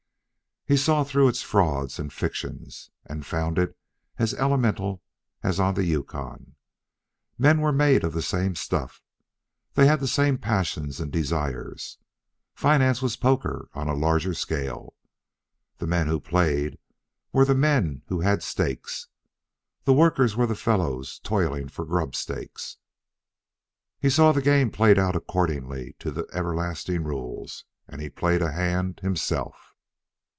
He saw through its frauds and fictions, and found it as elemental as on the Yukon. Men were made of the same stuff. They had the same passions and desires. Finance was poker on a larger scale. The men who played were the men who had stakes. The workers were the fellows toiling for grubstakes. He saw the game played out according to the everlasting rules, and he played a hand himself.